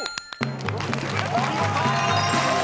［お見事！］